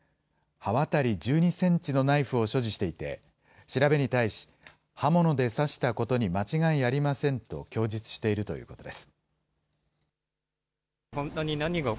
刃渡り１２センチのナイフを所持していて、調べに対し、刃物で刺したことに間違いありませんと供述しているということです。